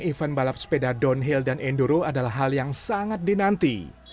event balap sepeda downhill dan enduro adalah hal yang sangat dinanti